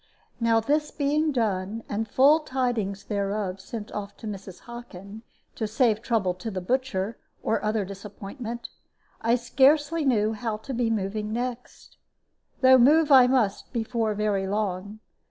Now this being done, and full tidings thereof sent off to Mrs. Hockin, to save trouble to the butcher, or other disappointment, I scarcely knew how to be moving next, though move I must before very long.